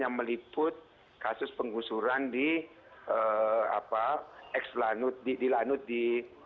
yang meliput kasus penggusuran di ex lanut di lanut di